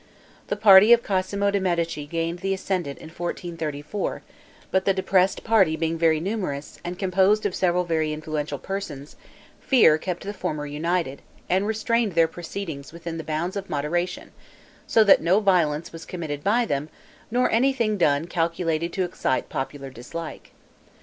The party of Cosmo de' Medici gained the ascendant in 1434; but the depressed party being very numerous, and composed of several very influential persons, fear kept the former united, and restrained their proceedings within the bounds of moderation, so that no violence was committed by them, nor anything done calculated to excite popular dislike.